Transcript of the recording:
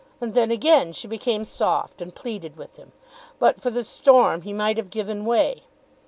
And then again she became soft, and pleaded with him. But for the storm he might have given way.